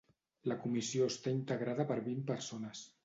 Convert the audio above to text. La Comissió està integrada per vint persones.